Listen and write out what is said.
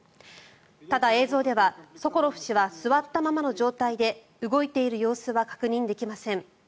ただ、映像ではソコロフ氏は座ったままの状態で動いている様子は確認できません。